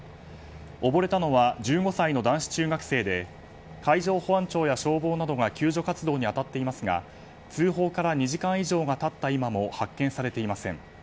溺れたのは１５歳の男子中学生で海上保安庁や消防などが救助活動に当たっていますが通報から２時間以上が経った今も発見されていません。